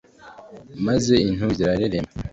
maze intumbi zirareremba